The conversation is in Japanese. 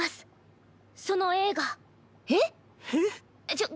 ちょっ。